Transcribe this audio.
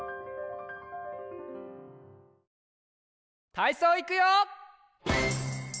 たいそういくよ！